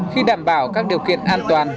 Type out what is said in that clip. khi đảm bảo các điều kiện an toàn